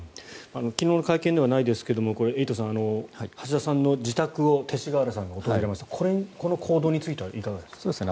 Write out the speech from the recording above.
昨日の会見ではないですがエイトさん橋田さんの自宅を勅使河原さんが訪れましたこの行動についてはいかがですか？